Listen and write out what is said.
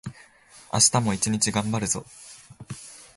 明日も一日がんばるぞ